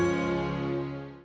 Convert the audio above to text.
ya yang pake bajaj